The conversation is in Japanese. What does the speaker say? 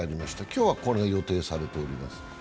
今日はこれが予定されております。